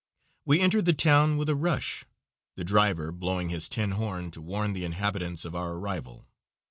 We entered the town with a rush, the driver blowing his tin horn to warn the inhabitants of our arrival.